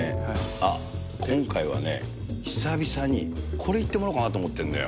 あっ、今回はね、久々に、これ行ってもらおうかなと思ってんのよ。